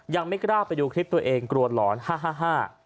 ยังไม่กล้าไปดูคลิปตัวเองกลัวหลอนห้าห้า